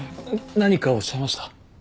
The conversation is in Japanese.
何かおっしゃいました？